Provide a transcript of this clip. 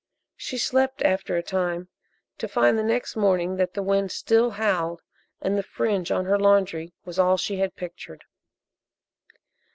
She slept after a time, to find the next morning that the wind still howled and the fringe on her laundry was all she had pictured.